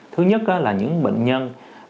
thứ nhất là những bệnh nhân